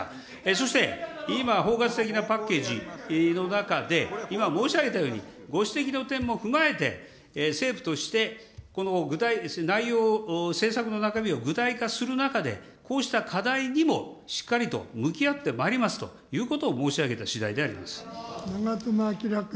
そして今、包括的なパッケージの中で今申し上げたように、ご指摘の点も踏まえて、政府としてこの内容、政策の中身を具体化する中で、こうした課題にも、しっかりと向き合ってまいりますということを申し上げたしだいで長妻昭君。